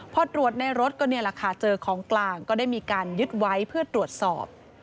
พอตรวจในรถก็นี่แหละค่ะเจอของกลางก็ได้มีการยึดไว้เพื่อตรวจสอบ